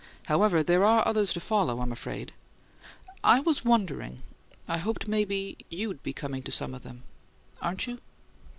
However, there are others to follow, I'm afraid. I was wondering I hoped maybe you'd be coming to some of them. Aren't you?"